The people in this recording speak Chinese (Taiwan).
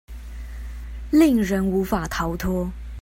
令人無法逃脫